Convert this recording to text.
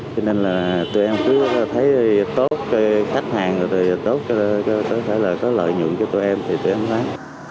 cho nên là tụi em cứ thấy tốt khách hàng thì tốt có lợi nhuận cho tụi em thì tụi em bán